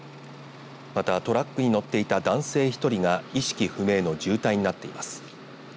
また、トラックに乗っていた男性１人が意識不明の重体になっています。